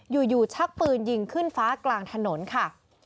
อยู่ชักปืนยิงขึ้นฟ้ากลางถนนค่ะ